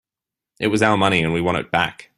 It was our money and we want it back.